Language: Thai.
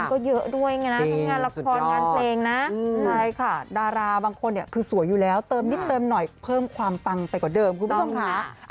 รอปล่อยน่าจะประมาณ๒๓เดือนนี้น่าจะได้ฟังค่ะ